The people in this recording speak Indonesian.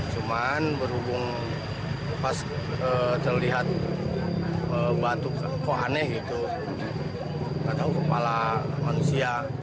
cuman berhubung pas terlihat batu kohane gitu atau kepala manusia